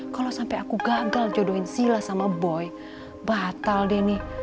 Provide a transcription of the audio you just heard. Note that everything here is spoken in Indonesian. kalau sampai aku gagal jodohin sila sama boy batal deni